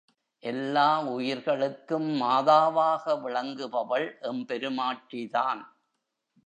எல்லா உயிர்களுக்கும் மாதாவாக விளங்குபவள் எம் பெருமாட்டி தான்.